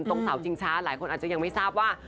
ตรงเสาชิงช้าหลายคนอาจจะยังไม่ทราบว่า